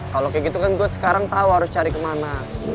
kalau kayak gitu kan gue sekarang tahu harus cari kemana